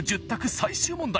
最終問題